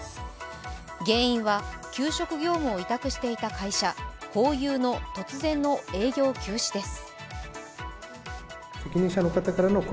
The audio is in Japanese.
原因は給食業務を委託していた会社ホーユーの突然の営業休止です。